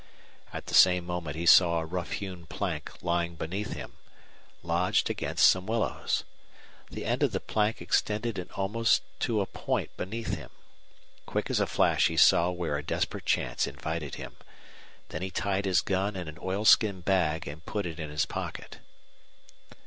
At the same moment he saw a rough hewn plank lying beneath him, lodged against some willows. The end of the plank extended in almost to a point beneath him. Quick as a flash he saw where a desperate chance invited him. Then he tied his gun in an oilskin bag and put it in his pocket.